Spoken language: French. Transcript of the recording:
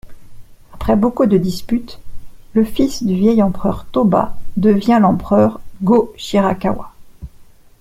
Après beaucoup de disputes, le fils du vieil empereur Toba devient l'empereur Go-Shirakawa.